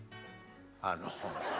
あの。